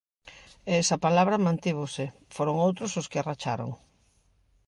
E esa palabra mantívose, foron outros os que a racharon.